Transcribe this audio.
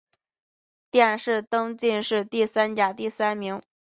殿试登进士第三甲第三名。